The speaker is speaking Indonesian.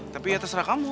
tapi ya terserah kamu